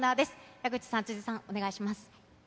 矢口さん、辻さん、お願いします。